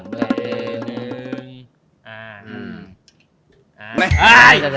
๓ใบ